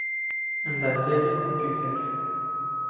ئەندازیاریی کۆمپیوتەر